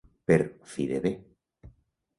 Per fi de bé.